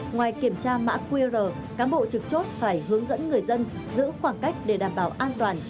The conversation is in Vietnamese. ngoài kiểm tra mã qr cán bộ trực chốt phải hướng dẫn người dân giữ khoảng cách để đảm bảo an toàn